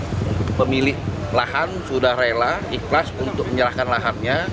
jadi pemilik lahan sudah rela ikhlas untuk menyerahkan lahannya